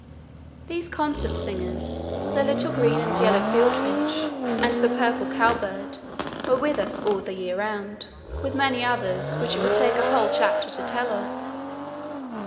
These concert singers, the little green and yellow field finch and the purple cow bird, were with us all the year round, with many others which it would take a whole chapter to tell of.